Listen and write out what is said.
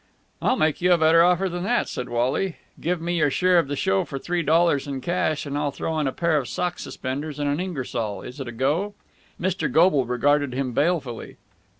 "I'll make you a better offer than that," said Wally. "Give me your share of the show for three dollars in cash and I'll throw in a pair of sock suspenders and an Ingersoll. Is it a go?" Mr. Goble regarded him balefully.